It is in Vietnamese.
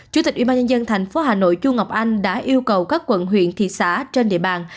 chủ tịch ubnd tp hà nội chu ngọc anh đã yêu cầu các quận huyện thị xã trên địa bàn